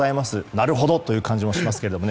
なるほどという感じもしますね。